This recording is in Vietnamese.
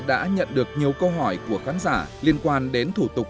đã nhận được nhiều câu hỏi của khán giả liên quan đến thủ tục